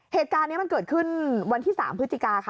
เหตุการณ์นี้มันเกิดขึ้นวันที่๓พฤศจิกาค่ะ